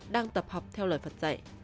đang tập học theo lời phật dạy